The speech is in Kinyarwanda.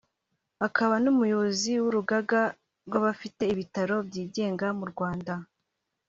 akaba n’umuyobozi w’urugaga rw’abafite ibitaro byigenga mu Rwanda